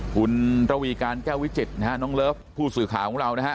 คุณระวีการแก้ววิจิตรนะฮะน้องเลิฟผู้สื่อข่าวของเรานะฮะ